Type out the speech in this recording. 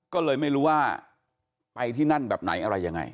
ก็เลยไม่รู้ว่าไปที่นั่นแบบไหนอะไรยังไง